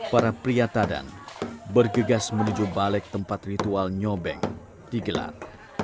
para pria tadan bergegas menuju balik tempat ritual nyobeng digelar